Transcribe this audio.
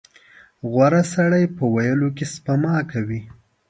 • غوره سړی په ویلو کې سپما کوي.